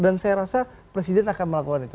saya rasa presiden akan melakukan itu